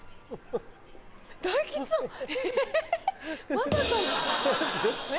まさかの。